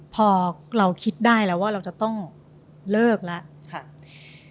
พอเราคิดได้แล้วว่าเราจะต้องเลิกแล้ว